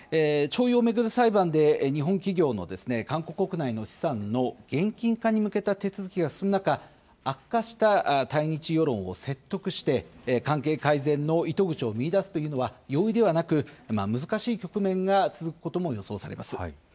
徴用を巡る裁判で、日本企業の韓国国内の資産の現金化に向けた手続きが進む中、悪化した対日世論を説得して、関係改善の糸口を見いだすというのは容易ではなく、難しい局面が続くことも予想されます。